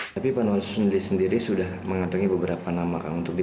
tapi pan waslu sendiri sudah mengatakan